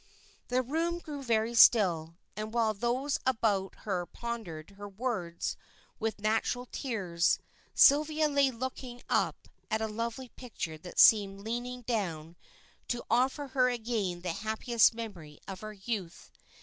The room grew very still, and while those about her pondered her words with natural tears, Sylvia lay looking up at a lovely picture that seemed leaning down to offer her again the happiest memory of her youth.